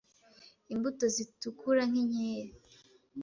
Imbuto zitukura nk’inkeri